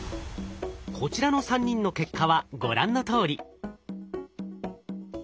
こちらの３人の結果はご覧のとおり。